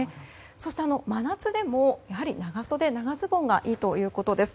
そして、真夏でも長袖と長ズボンがいいということです。